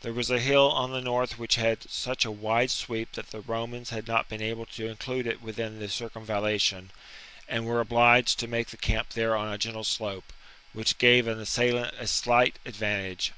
There was a hill on the north which had such a wide sweep that the Romans had not been able to include it within the circumvallation, and were obliged to make the camp there on a gentle slope, which gave an assailant a slight advantage.